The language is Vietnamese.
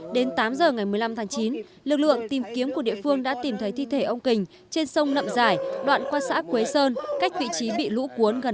đến tám giờ ngày một mươi năm tháng chín lực lượng tìm kiếm của địa phương đã tìm thấy thi thể ông kình trên sông nậm giải đoạn qua xã quế sơn cách vị trí bị lũ cuốn gần